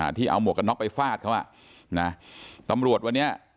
ที่เอาหมวกกันน็อกไปฟาดเขาอ่ะนะตำรวจวันนี้